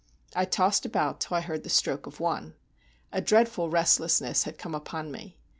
I tossed about till I heard the stroke of one. A dreadful restlessness had come upon me.